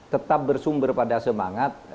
tetap bersumber pada semangat